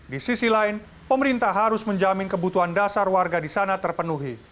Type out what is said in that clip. di sisi lain pemerintah harus menjamin kebutuhan dasar warga di sana terpenuhi